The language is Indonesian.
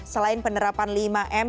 selain penerapan lima m